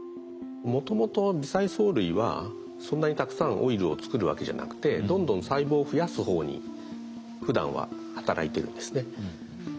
もともと微細藻類はそんなにたくさんオイルを作るわけじゃなくてどんどん細胞を増やす方にふだんは働いてるんですね。